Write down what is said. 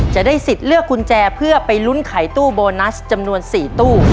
จะได้สิทธิ์เลือกกุญแจเพื่อไปลุ้นไขตู้โบนัสจำนวน๔ตู้